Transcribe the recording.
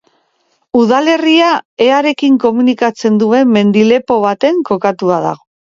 Udalerria Earekin komunikatzen duen mendi-lepo baten kokatua dago.